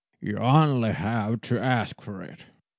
You only have to ask for it."